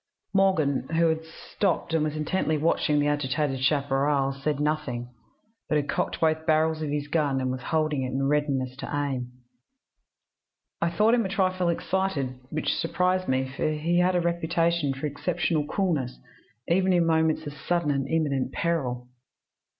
"Morgan, who had stopped and was intently watching the agitated chaparral, said nothing, but had cocked both barrels of his gun, and was holding it in readiness to aim. I thought him a trifle excited, which surprised me, for he had a reputation for exceptional coolness, even in moments of sudden and imminent peril.